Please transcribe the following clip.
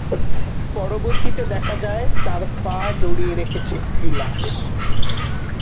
পরবর্তীতে দেখা যায়, তার পা জড়িয়ে রেখেছে একটা লাশ।